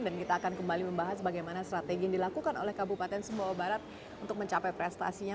dan kita akan kembali membahas bagaimana strategi yang dilakukan oleh kabupaten sumbawa barat untuk mencapai prestasinya